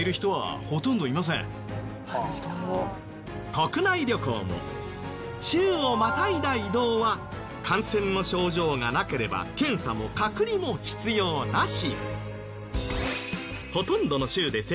国内旅行も州をまたいだ移動は感染の症状がなければ検査も隔離も必要なし。